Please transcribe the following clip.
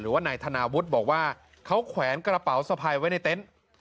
ว่านายธนาวุฒิบอกว่าเขาแขวนกระเป๋าสะพายไว้ในเต็นต์